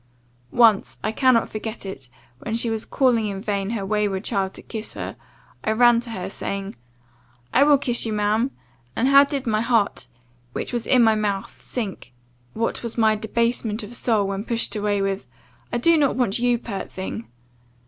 Once, I cannot forget it, when she was calling in vain her wayward child to kiss her, I ran to her, saying, 'I will kiss you, ma'am!' and how did my heart, which was in my mouth, sink, what was my debasement of soul, when pushed away with 'I do not want you, pert thing!